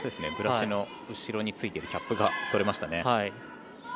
ブラシの後ろについてるキャップが取れましたね。